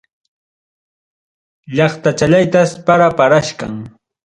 Llaqtachallaytas para parachkan.